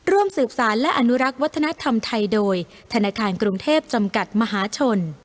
ร่วมสืบสารและอนุรักษ์วัฒนธรรมไทยโดยธนาคารกรุงเทพจำกัดมหาชน